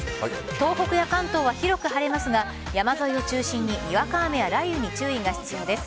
東北や関東は広く晴れますが山沿いを中心に、にわか雨や雷雨に注意が必要です。